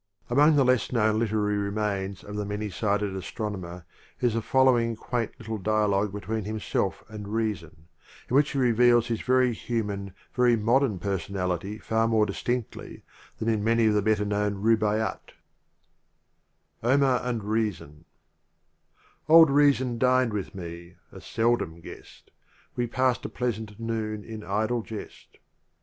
Among the less known literary remains of the many sided astronomer is the follow ing quaint little dialogue between himself and Reason, in which he reveals his very human, very modern personality far more distinclly than in many of the better known rubaiydt : Omar and Reason Old Reason dined with me t — a seldom guest; We passed a pleasant noon in idle jest.